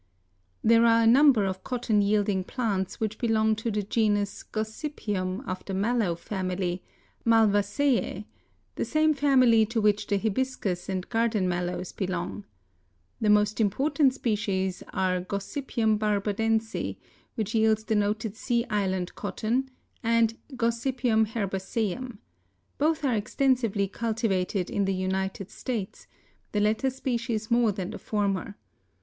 There are a number of cotton yielding plants which belong to the genus Gossypium of the Mallow family (Malvaceæ), the same family to which the Hibiscus and garden mallows belong. The most important species are G. barbadense, which yields the noted Sea Island cotton, and G. herbaceum. Both are extensively cultivated in the United States, the latter species more than the former.